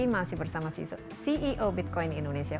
masih bersama ceo bitcoin indonesia